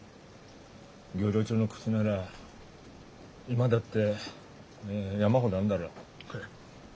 漁労長のクチなら今だって山ほどあんだろ。